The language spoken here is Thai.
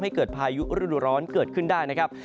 ให้เกิดพายุฤดูร้อนเกิดขึ้นได้นะครับ